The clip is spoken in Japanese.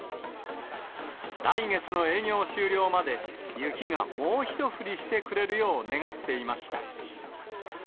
来月の営業終了まで、雪がもうひと降りしてくれるよう願っていました。